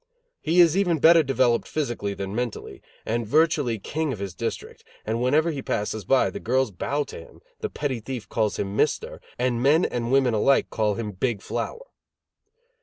He is even better developed physically than mentally, and virtually king of his district, and whenever he passes by, the girls bow to him, the petty thief calls him "Mister" and men and women alike call him "Big Flower."